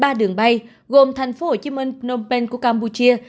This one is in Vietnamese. trở lại ba đường bay gồm thành phố hồ chí minh phnom penh của campuchia